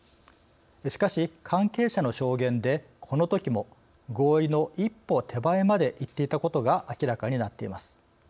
しかし関係者の証言でこのときも合意の一歩手前までいっていたことが明らかになっています。